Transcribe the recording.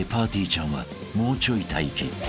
ちゃんはもうちょい待機］